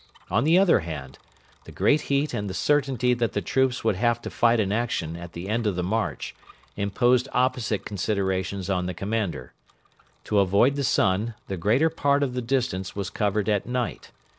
On the other hand, the great heat and the certainty that the troops would have to fight an action at the end of the march imposed opposite considerations on the commander. To avoid the sun, the greater part of the distance was covered at night.